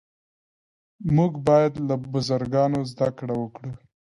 موږ باید له بزرګانو زده کړه وکړو.